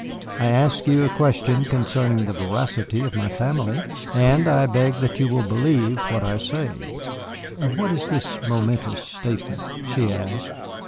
"I asked you a question concerning the veracity of my family, and I beg that you will believe what I say." "And what is this momentous statement?" she asked.